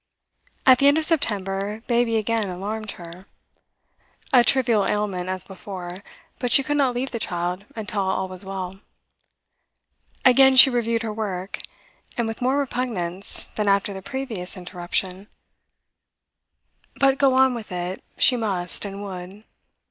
At the end of September baby again alarmed her. A trivial ailment as before, but she could not leave the child until all was well. Again she reviewed her work, and with more repugnance than after the previous interruption. But go on with it she must and would.